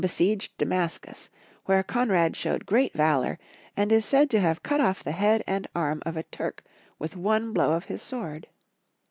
sieged Damascus, where Konrad showed great valor, and is said to have cut off the head and arm of a Turk with one blow of his sword.